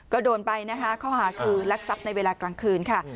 ก็โดนไปนะคะข้อหาคือรักทรัพย์ในเวลากลางคืนค่ะ